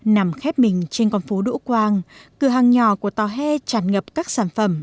nằm khép mình trên con phố đỗ quang cửa hàng nhỏ của tòa hè tràn ngập các sản phẩm